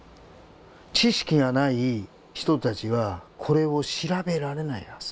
知識がない人たちはこれを調べられないはず。